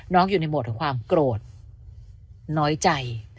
อยู่ในโหมดของความโกรธน้อยใจ